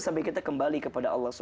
sambil kita kembali kepada allah swt